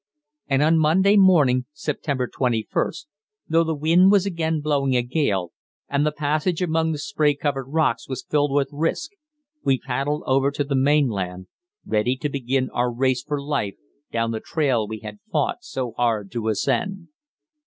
And on Monday morning, September 21st, though the wind was again blowing a gale, and the passage among the spray covered rocks was filled with risk, we paddled over to the mainland, ready to begin our race for life down the trail we had fought so hard to ascend.